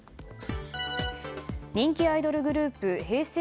人気アイドルグループＨｅｙ！